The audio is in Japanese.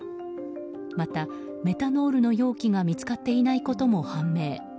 また、メタノールの容器が見つかっていないことも判明。